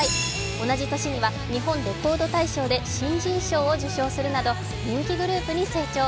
同じ年には日本レコード大賞で新人賞を受賞するなど人気グループに成長。